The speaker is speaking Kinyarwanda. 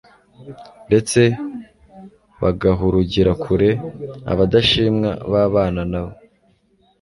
ndetse bagahurugira kure abadashimwa babana nabo;